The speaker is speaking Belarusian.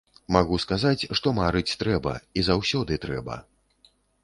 Магу сказаць, што марыць трэба, і заўсёды трэба.